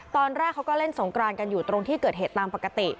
ตอนแรกเขาก็เล่นสงกรานกันอยู่ตรงที่เกิดเหตุตามปกติ